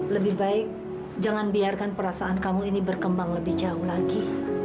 lebih baik jangan biarkan perasaan kamu ini berkembang lebih jauh lagi